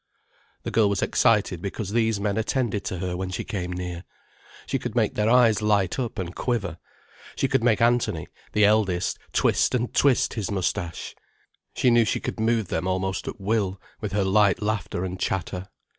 The girl was excited because these men attended to her when she came near. She could make their eyes light up and quiver, she could make Anthony, the eldest, twist and twist his moustache. She knew she could move them almost at will with her light laughter and chatter.